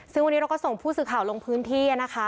ซึ่งวันนี้เราก็ส่งผู้สื่อข่าวลงพื้นที่นะคะ